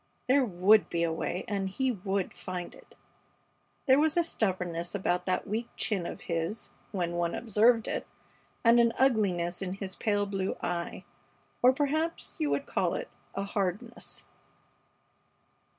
There would be a way and he would find it. There was a stubbornness about that weak chin of his, when one observed it, and an ugliness in his pale blue eye; or perhaps you would call it a hardness.